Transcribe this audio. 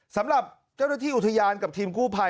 สำหรับเจ้าหน้าที่อุทยานกับทีมกู้ภัย